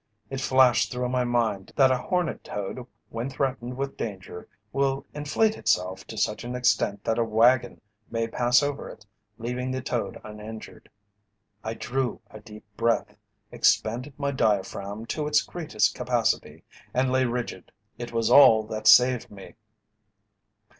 It flashed through my mind that a horned toad when threatened with danger will inflate itself to such an extent that a wagon may pass over it, leaving the toad uninjured. I drew a deep breath, expanded my diaphragm to its greatest capacity, and lay rigid. It was all that saved me."